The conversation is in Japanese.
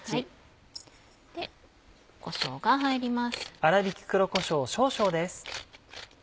こしょうが入ります。